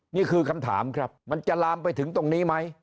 นี่คือคำถามครับมันจะลามไปถึงตรงนี้ไหม